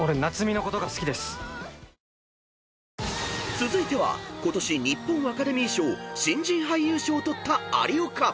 ［続いてはことし日本アカデミー賞新人俳優賞を取った有岡］